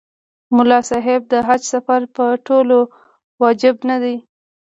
ملا صاحب د حج سفر په ټولو واجب نه دی.